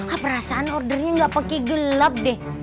ah perasaan ordernya gak pake gelap deh